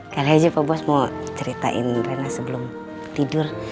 kali aja pak bos mau ceritain rena sebelum tidur